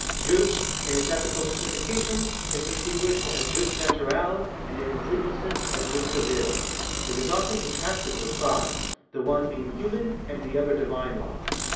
Jus, in its ethical signification, is distinguished as jus naturale, and in its legal sense as jus ririle. Jt is often contrasted with /«.s', the one being human and the other divine law.